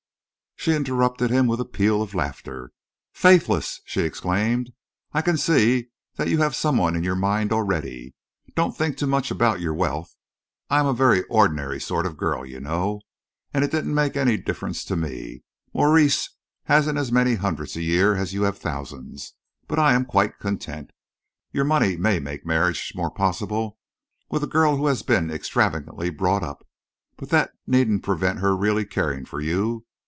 She interrupted him with a little peal of laughter. "Faithless!" she exclaimed. "I can see that you have some one in your mind already. Don't think too much about your wealth. I am a very ordinary sort of girl, you know, and it didn't make any difference to me. Maurice hasn't as many hundreds a year as you have thousands, but I am quite content. Your money may make marriage more possible with a girl who has been extravagantly brought up, but that needn't prevent her really caring for you.